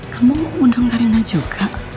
kamu undang karina juga